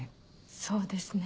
そうですね。